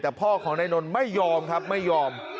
แต่พ่อของนายนนท์ไม่ยอมครับไม่ยอม